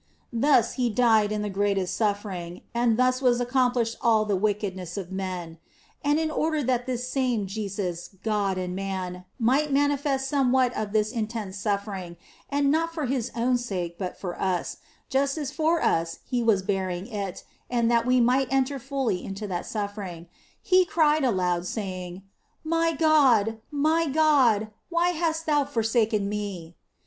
Thus He died in the greatest suffering, and thus was accomplished all the wickedness of men. And in order that this same Jesus, God and Man, might manifest somewhat of this intense suffering (and not for His own sake, but for us, just as for us He was bearing it, and that we might enter fully into that suffering), He cried aloud, saying, " My God, my God, why hast Thou forsaken me."